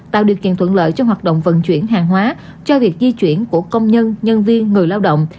tạo điều kiện thuận lợi cho hoạt động vận chuyển hàng hóa cho việc di chuyển của công nhân nhân viên người lao động